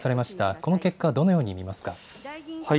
この結果、どのように見ますか。